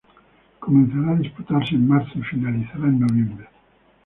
Comenzará a disputarse en marzo y finalizará en noviembre.